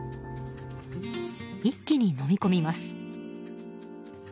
一気に飲み込みます。